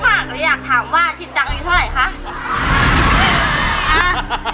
อยากถามว่าชินจังอายุเท่าไหร่คะ